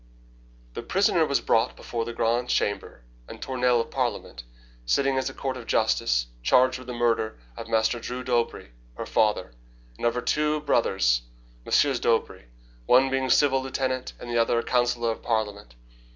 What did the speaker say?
"'The prisoner was brought before the Grand Chambers and Tournelles of Parliament, sitting as a court of justice, charged with the murder of Master Dreux d'Aubray, her father, and of her two brothers, MM. d'Aubray, one being civil lieutenant, and the other a counsellor of Parliament.